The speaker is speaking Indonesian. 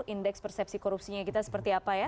indeks persepsi korupsinya kita seperti apa ya